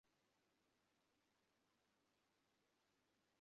রাজেন্দ্র প্রসাদের মধ্যে সাংবিধানিক বিষয়ে অনেক মতপার্থক্য ছিল।